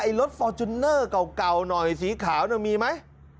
ไอ้รถฟอร์จุนเนอร์เก่าหน่อยสีขาวมีมั้ย